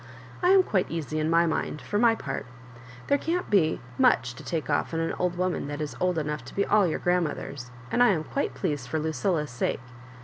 "I am quite easy in my mind, for my part There can't be much to take off in an old woman that is old enough to be all your grandmothers; and I am quite pleased for Lucilla's sake."